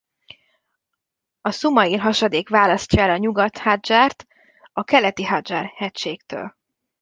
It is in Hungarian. A Szumail-hasadék választja el a Nyugat-Hadzsart a Keleti-Hadzsar-hegységtől.